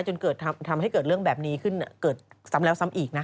จนเกิดทำให้เกิดเรื่องแบบนี้ขึ้นเกิดซ้ำแล้วซ้ำอีกนะ